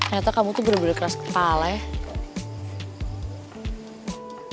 ternyata kamu tuh bener bener keras kepala ya